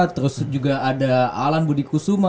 terus juga ada alan budi kusuma